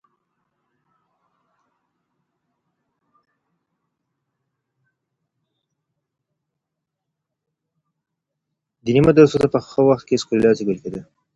دیني مدرسو ته په هغه وخت کي سکولاستیک ویل کیده.